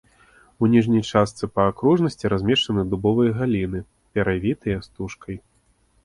У ніжняй частцы па акружнасці размешчаны дубовыя галіны, перавітыя стужкай.